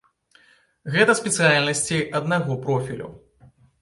Гэта спецыяльнасці аднаго профілю.